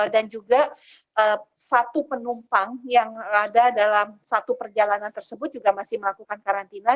dan juga satu penumpang yang ada dalam satu perjalanan tersebut juga masih melakukan karantina